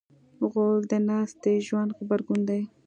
غول د ناستې ژوند غبرګون دی.